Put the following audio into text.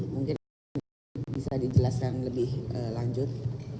mungkin bisa dijelaskan lebih lanjut